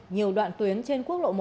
nhiều đoạn tuyến trên quốc lộ một